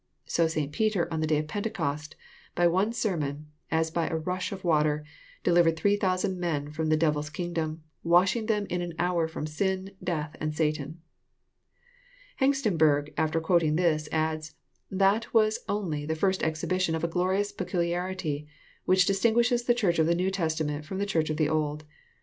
So St. Peter on the day of Pentecost, by one sermon, as by a rash of water, delivered three thoasand men from the devirs kingdom, washing them in an hour fh>m sin, death, and Satan." Hengstenberg, after qaoting this, adds, '*That was only the first exhibition of a glorioas peculiarity which dis tingalshes the Church of the New Testament from the Church of the Old.